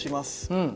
うん。